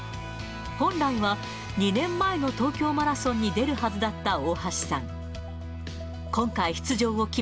本来は２年前の東京マラソンに出るはずだった大橋さん。